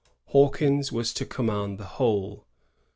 Hawkins was to command the whole.